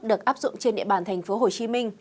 được áp dụng trên địa bàn tp hcm